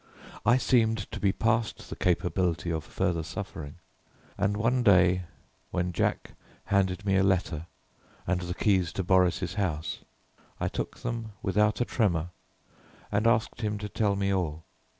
I seemed to be past the capability of further suffering, and one day when Jack handed me a letter and the keys to Boris' house, I took them without a tremor and asked him to tell me all.